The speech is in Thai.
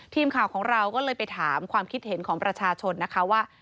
ทีมข่าวของเราก็เลยไปถามความคิดเห็นของประชาชนนะคะว่า